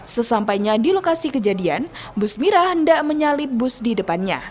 sesampainya di lokasi kejadian bus mira hendak menyalip bus di depannya